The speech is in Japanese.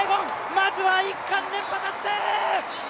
まずは１冠連覇達成！